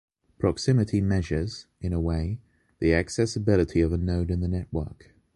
Proximity measures, in a way, the accessibility of a node in the network.